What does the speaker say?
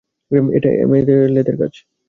এটা অ্যামলেথের কাজ।